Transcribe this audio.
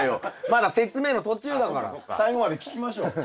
まだ説明の途中だから最後まで聞きましょう。